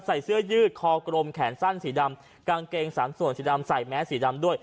ใส่เสื้อยืดคอกลมแขนสั้นสีดำกางเกงสามส่วนสีดำใส่แมสสีดำด้วย